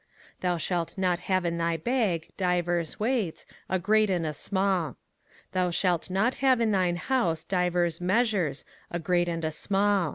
05:025:013 Thou shalt not have in thy bag divers weights, a great and a small. 05:025:014 Thou shalt not have in thine house divers measures, a great and a small.